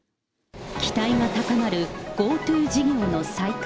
期待が高まる、ＧｏＴｏ事業の再開。